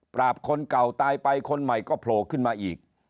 คนเก่าตายไปคนใหม่ก็โผล่ขึ้นมาอีก